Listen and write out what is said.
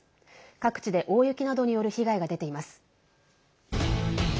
各地で大雪などによる被害が出ています。